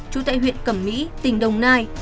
chú tại huyện cẩm mỹ tỉnh đồng nai